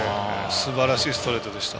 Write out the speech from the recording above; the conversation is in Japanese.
すばらしいストレートでした。